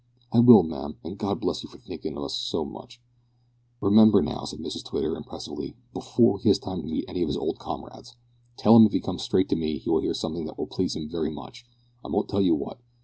"I will, ma'am, and God bless you for thinkin' of us so much." "Remember, now," said Mrs Twitter, impressively, "before he has time to meet any of his old comrades. Tell him if he comes straight to me he will hear something that will please him very much. I won't tell you what.